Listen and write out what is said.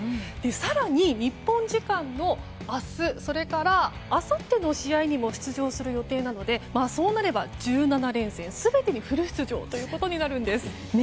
更に、日本時間の明日それから、あさっての試合にも出場する予定なのでそうなれば１７連戦全てにフル出場ということになるんです。